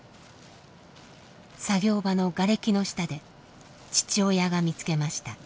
作業場のがれきの下で父親が見つけました。